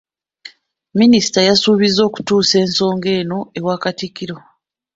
Minisita yasuubizza ensonga eno okugituusa ewa Katikkiro.